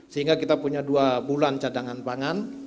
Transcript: sehingga kita punya dua bulan cadangan pangan